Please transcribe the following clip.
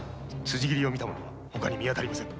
つじ切りを見た者は外に見当たりません。